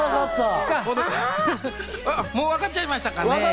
もうわかっちゃいましたかね？